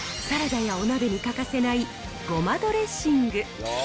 サラダやお鍋に欠かせないごまドレッシング。